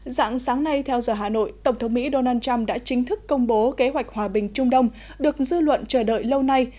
dạng sáng nay theo giờ hà nội tổng thống mỹ donald trump đã chính thức công bố kế hoạch hòa bình trung đông được dư luận chờ đợi lâu nay